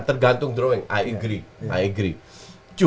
tergantung drawing aku setuju